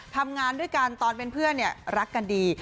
ทำงานด้วยกันตอนเป็นเพื่อนรักกันดี